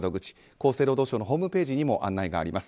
厚生労働省のホームページにも案内があります。